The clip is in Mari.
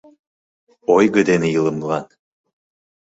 Ойго дене илымылан.